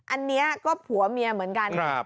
อันนี้ก็ผัวเมียเหมือนกัน